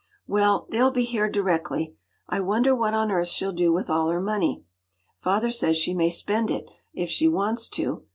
” “Well, they’ll be here directly. I wonder what on earth she’ll do with all her money. Father says she may spend it, if she wants to.